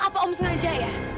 apa om sengaja ya